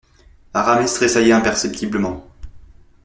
Aramis tressaillit imperceptiblement.